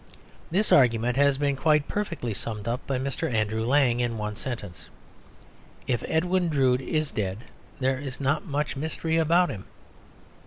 This argument has been quite perfectly summed up by Mr. Andrew Lang in one sentence: "If Edwin Drood is dead, there is not much mystery about him."